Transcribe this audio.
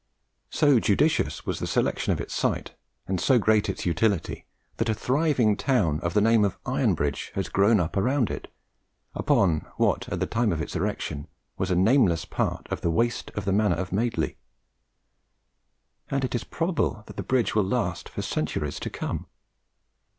So judicious was the selection of its site, and so great its utility, that a thriving town of the name of Ironbridge has grown up around it upon what, at the time of its erection, was a nameless part of "the waste of the manor of Madeley." And it is probable that the bridge will last for centuries to come.